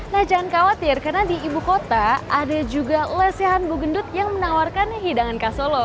nah jangan khawatir karena di ibu kota ada juga lesehan bugendut yang menawarkan hidangan khas solo